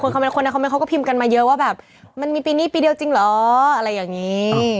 คนในคอมเมนต์เขาก็พิมพ์กันมาเยอะว่าแบบมันมีปีนี้ปีเดียวจริงเหรออะไรอย่างนี้